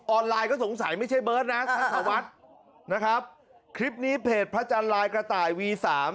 ไลน์ก็สงสัยไม่ใช่เบิร์ตนะท่านธวัฒน์นะครับคลิปนี้เพจพระจันทร์ลายกระต่ายวีสาม